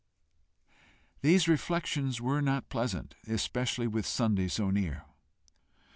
These reflections were not pleasant, especially with Sunday so near.